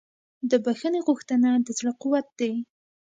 د بښنې غوښتنه د زړه قوت دی.